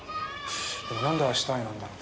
でもなんで『明日へ』なんだろう。